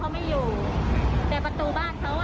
แล้วมันมีกุญแจล็อก